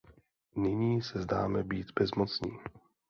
Nyní se zdáme být bezmocní.